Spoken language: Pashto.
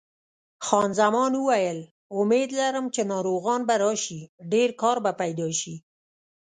خان زمان وویل: امید لرم چې ناروغان به راشي، ډېر کار به پیدا شي.